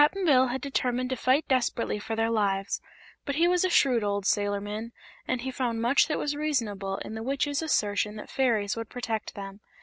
Cap'n Bill had determined to fight desperately for their lives, but he was a shrewd old sailorman and he found much that was reasonable in the Witch's assertion that fairies would protect them.